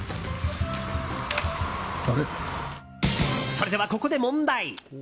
それでは、ここで問題。